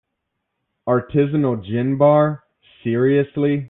Artisanal gin bar, seriously?!